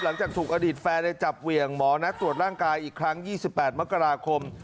หลังจากถูกอดีตแฟนจับเหวี่ยงหมอนัดตรวจร่างกายอีกครั้ง๒๘มกราคม